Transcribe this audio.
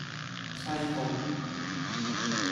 西貢